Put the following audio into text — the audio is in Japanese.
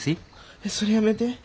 えっそれやめて。